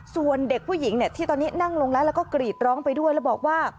ส่วนเด็กผู้หญิงเนี่ยที่ตอนนี้นั่งลงแล้วแล้วก็กรีดร้องไปด้วยแล้วบอกว่า